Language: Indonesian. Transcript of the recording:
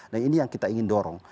nah ini yang kita ingin dorong